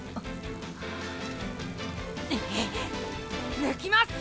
抜きます！